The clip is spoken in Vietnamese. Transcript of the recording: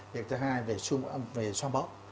việc thứ hai về xoa bóp